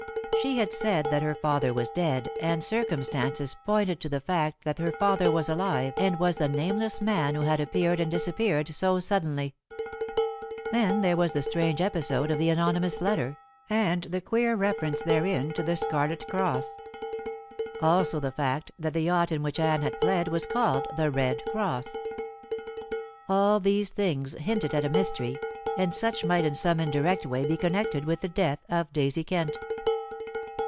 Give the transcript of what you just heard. She had said that her father was dead, and circumstances pointed to the fact that her father was alive and was the nameless man who had appeared and disappeared so suddenly. Then there was the strange episode of the anonymous letter, and the queer reference therein to the Scarlet Cross. Also the fact that the yacht in which Anne had fled was called The Red Cross. All these things hinted at a mystery, and such might in some indirect way be connected with the death of Daisy Kent.